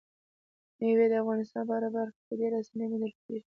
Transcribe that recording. مېوې د افغانستان په هره برخه کې په ډېرې اسانۍ موندل کېږي.